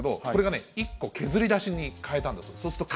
これがね、１個削り出しに変えたんだそうです。